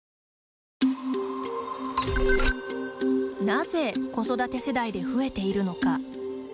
なぜ子育て世代で増えているのか。